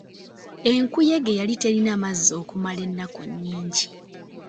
Enkuyege yali terina mazzi okumala ennaku nnyingi.